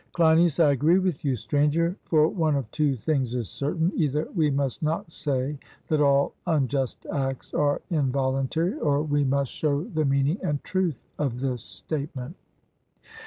CLEINIAS: I agree with you, Stranger; for one of two things is certain: either we must not say that all unjust acts are involuntary, or we must show the meaning and truth of this statement.